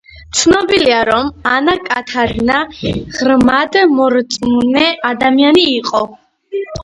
ცნობილია, რომ ანა კათარინა ღრმად მორწმუნე ადამიანი იყო.